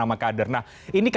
apa dia ini